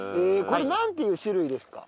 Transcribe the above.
これなんていう種類ですか？